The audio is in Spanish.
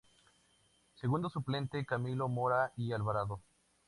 Segundo suplente: Camilo Mora y Alvarado.